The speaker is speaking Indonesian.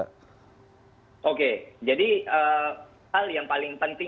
oke jadi hal yang paling penting